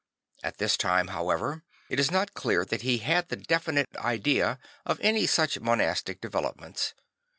At this time, however, it is not clear that he had the definite idea of any such monastic developments.